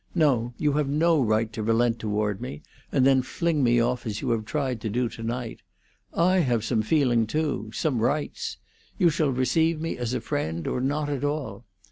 No; you have no right to relent toward me, and then fling me off as you have tried to do to night! I have some feeling too—some rights. You shall receive me as a friend, or not at all!